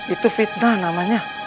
itu fitnah namanya